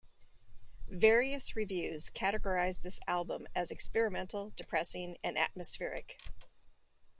Various reviews categorised this album as experimental, depressing and atmospheric.